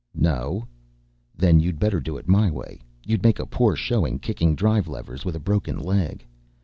"No." "Then you'd better do it my way. You'd make a poor showing, kicking drive levers with a broken leg."